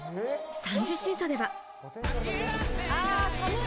３次審査では。